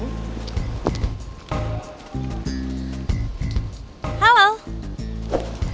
ada perlu apa sama gue